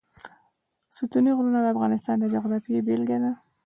ستوني غرونه د افغانستان د جغرافیې بېلګه ده.